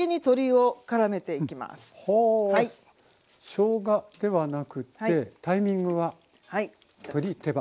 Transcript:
しょうがではなくってタイミングは鶏手羽。